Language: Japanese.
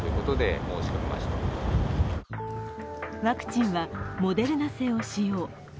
ワクチンはモデルナ製を使用。